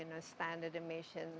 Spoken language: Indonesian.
yang memiliki standar emisi empat euro